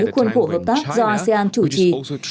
khuôn khổ hợp tác do asean chủ trì